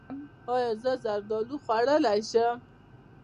ایا زه زردالو خوړلی شم؟